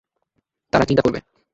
তারা চিন্তা করবে।